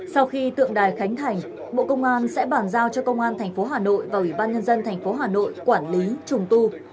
sau khi tượng đài khánh thành bộ công an sẽ bàn giao cho công an tp hà nội và ủy ban nhân dân thành phố hà nội quản lý trùng tu